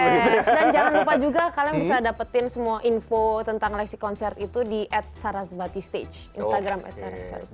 yes dan jangan lupa juga kalian bisa dapetin semua info tentang lexi konsert itu di at sarazbati stage instagram at saras versus